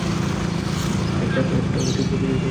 একটা ছোট্ট ভুল!